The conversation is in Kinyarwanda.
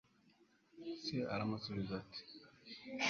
se aramusubiza ati